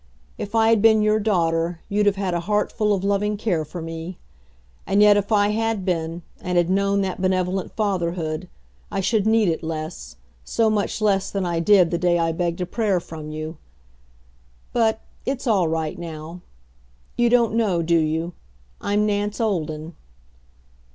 If I had been your daughter you'd have had a heart full of loving care for me. And yet, if I had been, and had known that benevolent fatherhood, I should need it less so much less than I did the day I begged a prayer from you. But it's all right now. You don't know do you? I'm Nance Olden."